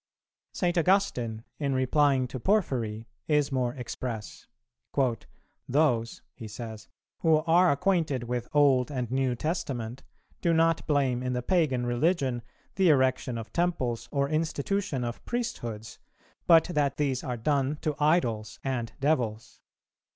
St. Augustine, in replying to Porphyry, is more express; "Those," he says, "who are acquainted with Old and New Testament do not blame in the pagan religion the erection of temples or institution of priesthoods, but that these are done to idols and devils.